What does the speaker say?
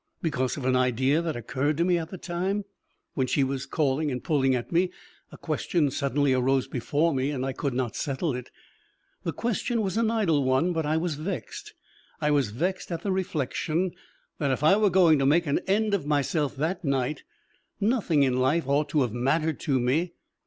Because of an idea that occurred to me at the time: when she was calling and pulling at me, a question suddenly arose before me and I could not settle it. The question was an idle one, but I was vexed. I was vexed at the reflection that if I were going to make an end of myself that night, nothing in life ought to have mattered to me.